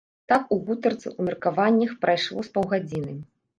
Так у гутарцы, у меркаваннях прайшло з паўгадзіны.